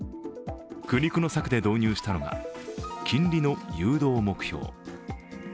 苦肉の策で導入したのが金利の誘導目標。